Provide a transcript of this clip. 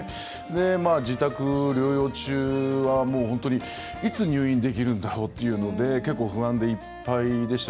自宅療養中は、もう本当にいつ入院できるんだろうって結構不安でいっぱいでしたし。